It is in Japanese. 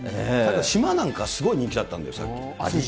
島なんかすごい人気だったんだよ、当時。